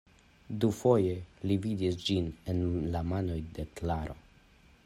Dufoje li vidis ĝin en la manoj de Klaro.